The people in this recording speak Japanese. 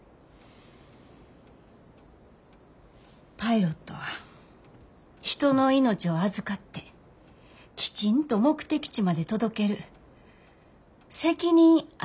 パイロットは人の命を預かってきちんと目的地まで届ける責任ある仕事や。